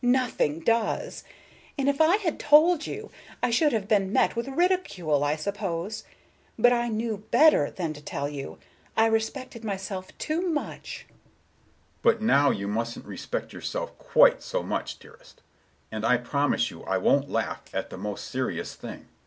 Nothing does. And if I had told you, I should have been met with ridicule, I suppose. But I knew better than to tell; I respected myself too much." Mr. Richards: "But now you mustn't respect yourself quite so much, dearest. And I promise you I won't laugh at the most serious thing.